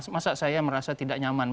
masa saya merasa tidak nyaman